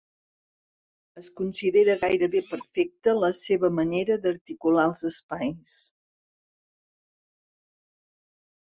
Es considera gairebé perfecta la seva manera d'articular els espais.